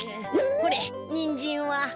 ほれにんじんは？